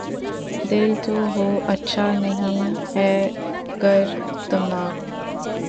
دل تو ہو‘ اچھا‘ نہیں ہے گر دماغ